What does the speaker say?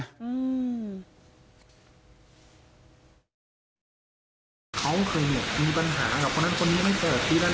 เขาเคยมีปัญหากับคนนั้นคนนี้ไหม